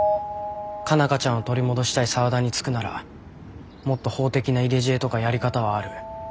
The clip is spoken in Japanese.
佳奈花ちゃんを取り戻したい沢田につくならもっと法的な入れ知恵とかやり方はある。